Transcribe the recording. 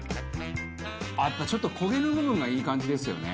やっぱちょっと焦げの部分がいい感じですよね。